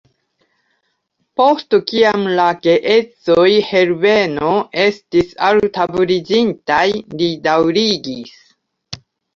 Post kiam la geedzoj Herbeno estis altabliĝintaj, li daŭrigis: